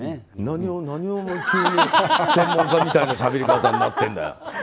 何を急に専門家みたいなしゃべり方になってるんだよ。